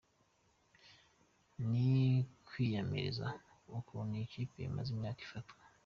Ni kwiyamiriza ukuntu iyi kipe imaze imyaka ifatwa.